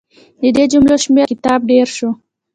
د دې جملو شمېر له هر کتاب ډېر شو.